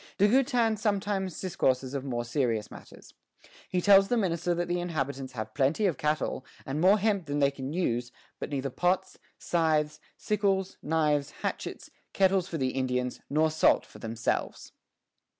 De Goutin sometimes discourses of more serious matters. He tells the minister that the inhabitants have plenty of cattle, and more hemp than they can use, but neither pots, scythes, sickles, knives, hatchets, kettles for the Indians, nor salt for themselves.